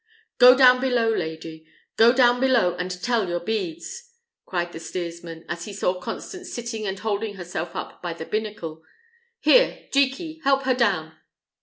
"Go down below, lady; go down below and tell your beads," cried the steersman, as he saw Constance sitting and holding herself up by the binnacle. "Here, Jekey, help her down."